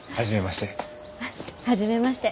初めまして。